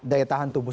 daya tahan tubuh